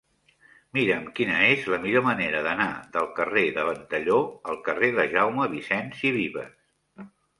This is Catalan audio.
Mira'm quina és la millor manera d'anar del carrer de Ventalló al carrer de Jaume Vicens i Vives.